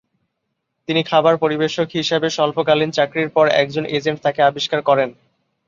তিনি খাবার পরিবেশক হিসাবে স্বল্পকালীন চাকরির পর, একজন এজেন্ট তাকে আবিষ্কার করেন।